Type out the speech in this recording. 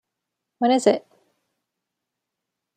When is it?